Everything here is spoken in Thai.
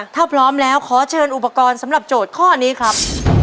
ถ้าพร้อมแล้วขอเชิญอุปกรณ์สำหรับโจทย์ข้อนี้ครับ